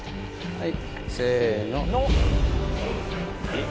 はい。